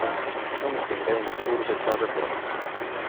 Samuti on käimas suur sotsiaalreform.